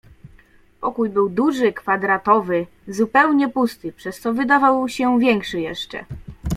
"Pokój był duży, kwadratowy, zupełnie pusty, przez co wydawał się większy jeszcze."